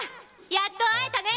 やっと会えたね。